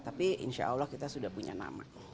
tapi insya allah kita sudah punya nama